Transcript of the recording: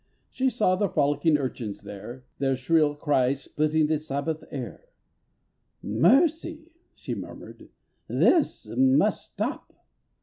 She saw the frolicking urchins there, Their shrill cries splitting the Sabbath air. "Mercy!" she murmured, "this must stop!"